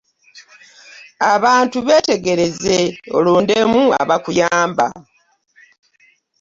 Abantu beetegeze olondemu abakuyamba.